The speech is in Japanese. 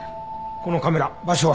このカメラ場所は？